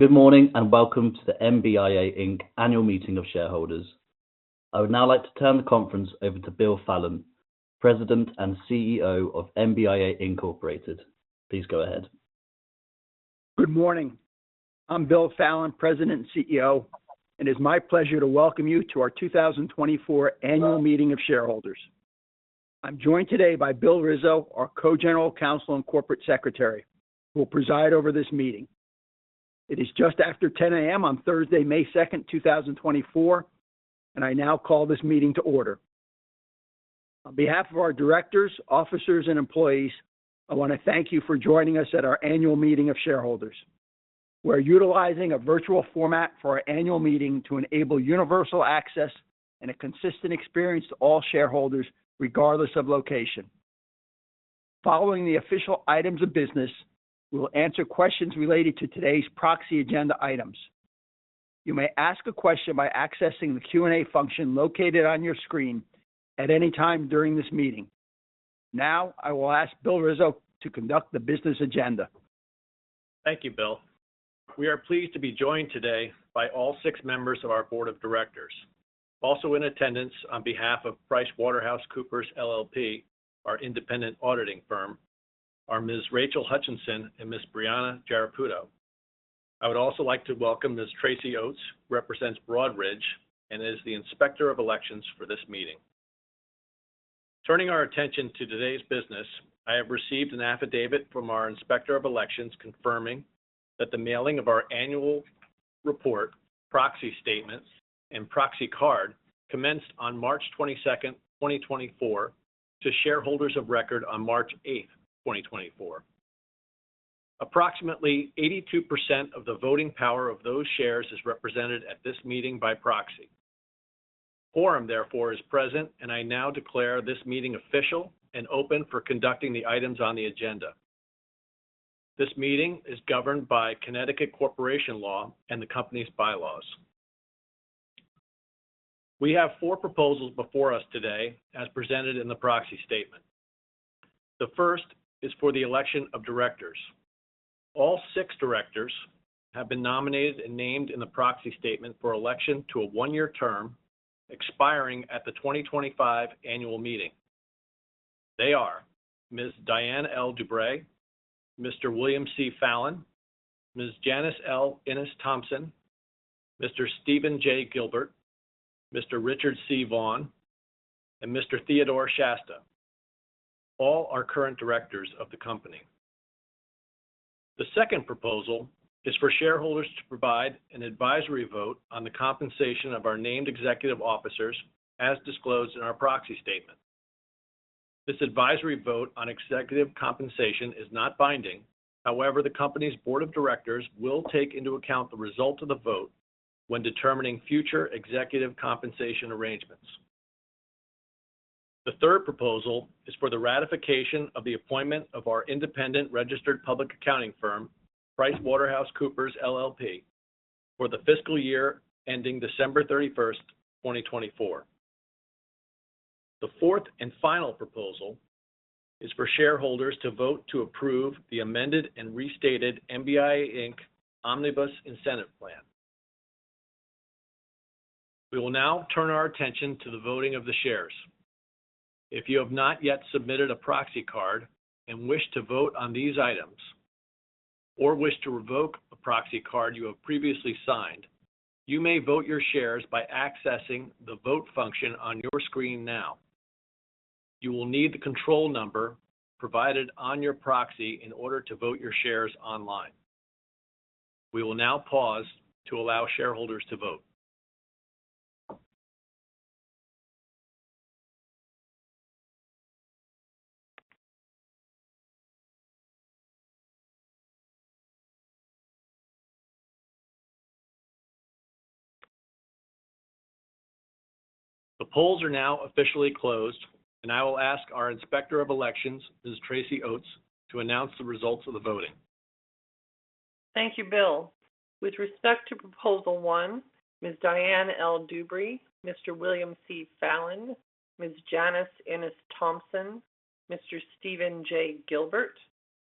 Good morning, and welcome to the MBIA Inc annual meeting of shareholders. I would now like to turn the conference over to Bill Fallon, President and CEO of MBIA Incorporated. Please go ahead. Good morning. I'm Bill Fallon, President and CEO, and it's my pleasure to welcome you to our 2024 Annual Meeting of Shareholders. I'm joined today by Bill Rizzo, our Co-General Counsel and Corporate Secretary, who will preside over this meeting. It is just after 10 A.M. on Thursday, May 2, 2024, and I now call this meeting to order. On behalf of our directors, officers, and employees, I want to thank you for joining us at our annual meeting of shareholders. We're utilizing a virtual format for our annual meeting to enable universal access and a consistent experience to all shareholders, regardless of location. Following the official items of business, we will answer questions related to today's proxy agenda items. You may ask a question by accessing the Q&A function located on your screen at any time during this meeting. Now, I will ask Bill Rizzo to conduct the business agenda. Thank you, Bill. We are pleased to be joined today by all six members of our board of directors. Also in attendance on behalf of PricewaterhouseCoopers, LLP, our independent auditing firm, are Ms. Rachel Hutchinson and Ms. Brianna Giarraputo. I would also like to welcome Ms. Tracy Oates, who represents Broadridge and is the Inspector of Elections for this meeting. Turning our attention to today's business, I have received an affidavit from our Inspector of Elections, confirming that the mailing of our annual report, proxy statements, and proxy card commenced on March 22, 2024, to shareholders of record on March 8, 2024. Approximately 82% of the voting power of those shares is represented at this meeting by proxy. Quorum, therefore, is present, and I now declare this meeting official and open for conducting the items on the agenda. This meeting is governed by Connecticut Corporation Law and the company's bylaws. We have four proposals before us today, as presented in the proxy statement. The first is for the election of directors. All six directors have been nominated and named in the proxy statement for election to a one-year term, expiring at the 2025 annual meeting. They are Ms. Diane L. Dewbrey, Mr. William C. Fallon, Ms. Janice L. Innis-Thompson, Mr. Steven J. Gilbert, Mr. Richard C. Vaughan, and Mr. Theodore Shasta. All are current directors of the company. The second proposal is for shareholders to provide an advisory vote on the compensation of our named executive officers, as disclosed in our proxy statement. This advisory vote on executive compensation is not binding. However, the company's board of directors will take into account the result of the vote when determining future executive compensation arrangements. The third proposal is for the ratification of the appointment of our independent registered public accounting firm, PricewaterhouseCoopers LLP, for the fiscal year ending December 31, 2024. The fourth and final proposal is for shareholders to vote to approve the amended and restated MBIA Inc Omnibus Incentive Plan. We will now turn our attention to the voting of the shares. If you have not yet submitted a proxy card and wish to vote on these items or wish to revoke a proxy card you have previously signed, you may vote your shares by accessing the vote function on your screen now. You will need the control number provided on your proxy in order to vote your shares online. We will now pause to allow shareholders to vote. The polls are now officially closed, and I will ask our Inspector of Elections, Ms. Tracy Oates, to announce the results of the voting. Thank you, Bill. With respect to Proposal One, Ms. Diane L. Dewbrey, Mr. William C. Fallon, Ms. Janice L. Innis-Thompson, Mr. Steven J. Gilbert,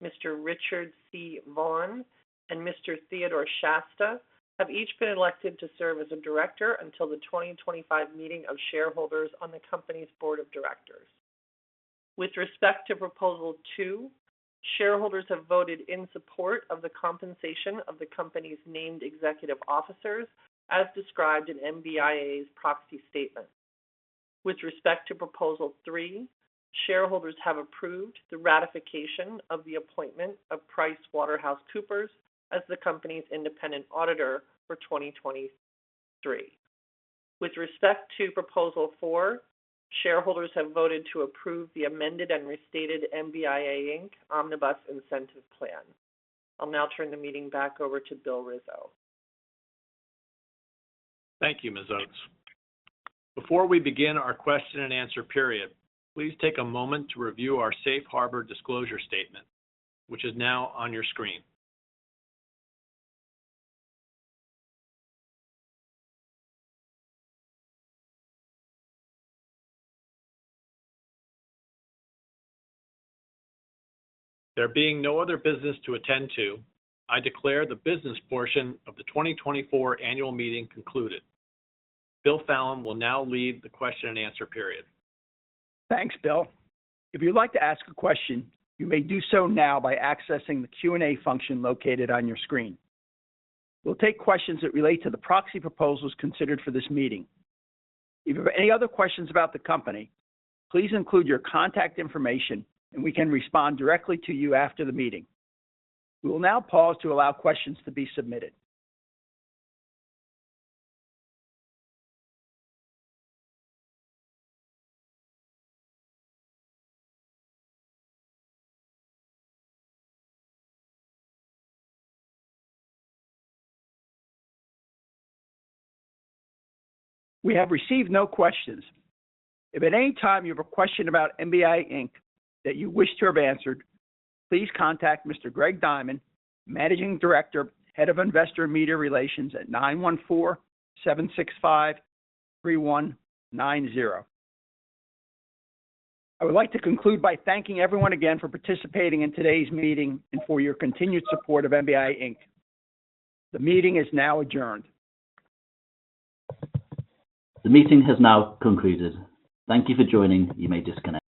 Mr. Richard C. Vaughan, and Mr. Theodore Shasta have each been elected to serve as a director until the 2025 meeting of shareholders on the company's board of directors. With respect to Proposal Two, shareholders have voted in support of the compensation of the company's named executive officers, as described in MBIA's Proxy Statement. With respect to Proposal Three, shareholders have approved the ratification of the appointment of PricewaterhouseCoopers as the company's independent auditor for 2023. With respect to Proposal Four, shareholders have voted to approve the amended and restated MBIA Inc Omnibus Incentive Plan. I'll now turn the meeting back over to Bill Rizzo. Thank you, Ms. Oates. Before we begin our question-and-answer period, please take a moment to review our Safe Harbor Disclosure Statement, which is now on your screen. There being no other business to attend to, I declare the business portion of the 2024 annual meeting concluded. Bill Fallon will now lead the question-and-answer period. Thanks, Bill. If you'd like to ask a question, you may do so now by accessing the Q&A function located on your screen. We'll take questions that relate to the proxy proposals considered for this meeting. If you've any other questions about the company, please include your contact information, and we can respond directly to you after the meeting. We will now pause to allow questions to be submitted. We have received no questions. If at any time you have a question about MBIA Inc that you wish to have answered, please contact Mr. Greg Diamond, Managing Director, Head of Investor Media Relations, at 914-765-3190. I would like to conclude by thanking everyone again for participating in today's meeting and for your continued support of MBIA Inc. The meeting is now adjourned. The meeting has now concluded. Thank you for joining. You may disconnect.